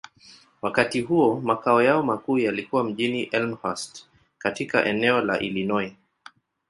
Wakati huo, makao yao makuu yalikuwa mjini Elmhurst, katika eneo la Illinois.